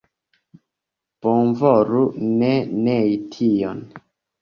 Bonvolu ne nei tion.